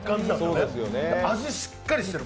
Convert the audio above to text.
る味しっかりしてる。